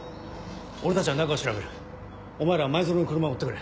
俺たちは中を調べるお前らは前薗の車を追ってくれ。